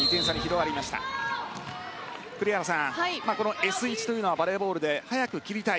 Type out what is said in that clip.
栗原さん、Ｓ１というのはバレーボールで早く切りたい